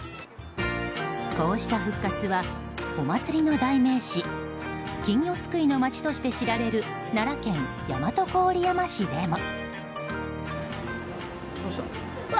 こうした復活は、お祭りの代名詞金魚すくいの街として知られる奈良県大和郡山市でも。